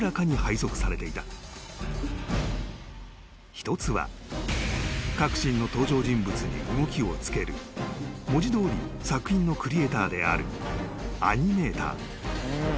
［一つは各シーンの登場人物に動きをつける文字通り作品のクリエーターであるアニメーター］